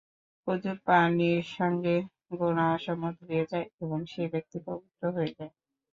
অজুর পানির সঙ্গে গুনাহসমূহ ধুয়ে যায় এবং সেই ব্যক্তি পবিত্র হয়ে যায়।